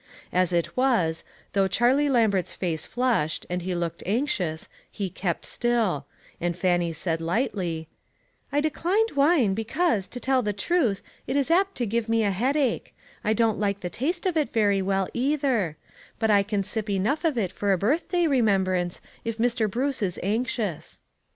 As it was, though Charlie Lambert's face flushed, and he looked anx ious, he kept still ; aud Fannie said lightly : "I declined wine because, to tell the truth, it is apt to give me a headache ; I don't like the taste of it very well, either ; but I can sip enough for a birthday remem brance if Mr. Bruce is anxious."